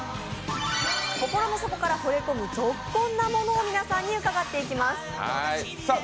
心の底からほれこむゾッコンなものを皆さんに伺っていきます。